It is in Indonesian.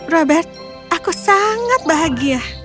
robert aku sangat bahagia